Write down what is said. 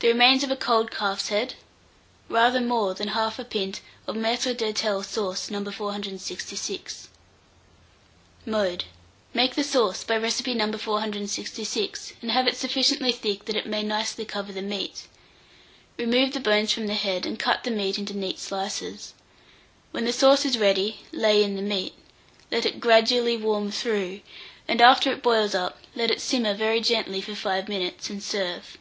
The remains of a cold calf's head, rather more than 1/2 pint of Maitre d'hôtel sauce No. 466. Mode. Make the sauce by recipe No. 466, and have it sufficiently thick that it may nicely cover the meat; remove the bones from the head, and cut the meat into neat slices. When the sauce is ready, lay in the meat; let it gradually warm through, and, after it boils up, let it simmer very gently for 5 minutes, and serve.